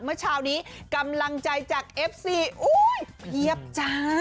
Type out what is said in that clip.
เมื่อเช้านี้กำลังใจจากเอฟซีอุ้ยเพียบจ้า